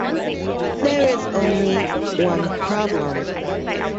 There is only one problem.